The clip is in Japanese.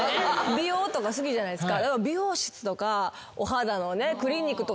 美容とか好きじゃないですか。